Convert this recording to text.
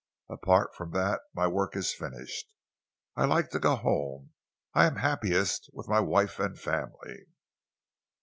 Apart from that my work is finished. I like to go home. I am happiest with my wife and family."